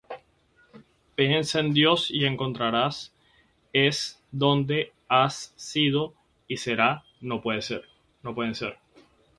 Piensa en Dios y encontrarás "es" donde "ha sido" y "será" no pueden ser".